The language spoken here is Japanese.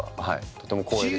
とても光栄です。